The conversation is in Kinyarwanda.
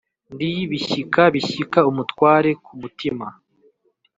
Ndi bishyika bishyika umutware ku mutima